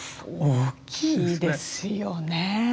大きいですよね。